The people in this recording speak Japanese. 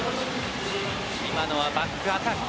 今のはバックアタック。